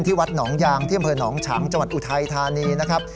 วัดหนองยางที่อำเภอหนองฉางจังหวัดอุทัยธานีนะครับ